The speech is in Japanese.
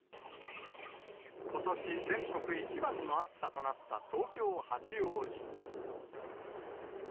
ことし全国一番の暑さとなった東京・八王子。